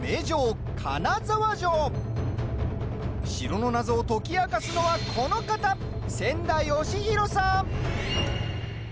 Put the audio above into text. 城の謎を解き明かすのはこの方千田嘉博さん。